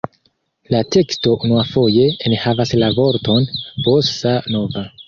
La teksto unuafoje enhavas la vorton „bossa-nova“.